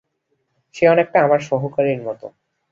সে অনেকটা আমার সহকারীর মতো।